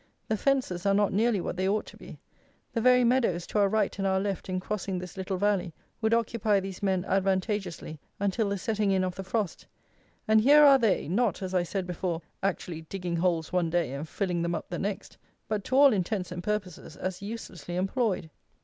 The fences are not nearly what they ought to be. The very meadows, to our right and our left in crossing this little valley, would occupy these men advantageously until the setting in of the frost; and here are they, not, as I said before, actually digging holes one day and filling them up the next; but, to all intents and purposes, as uselessly employed.